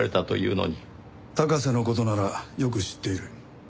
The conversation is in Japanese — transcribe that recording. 高瀬の事ならよく知っている。